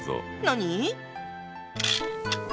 何？